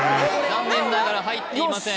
残念ながら入っていません